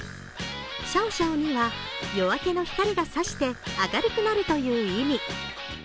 シャオシャオには、夜明けの光が差して明るくなるという意味。